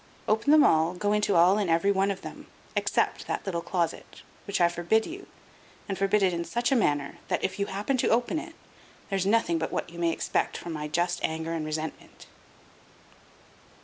Open them all; go into all and every one of them, except that little closet, which I forbid you, and forbid it in such a manner that, if you happen to open it, there's nothing but what you may expect from my just anger and resentment."